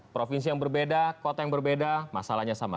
provinsi yang berbeda kota yang berbeda masalahnya sama